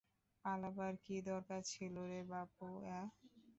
পালাবার কী দরকার ছিল রে বাপু, অ্যাঁ?